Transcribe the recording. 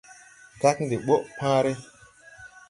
Kagn de ɓɔʼ pããre.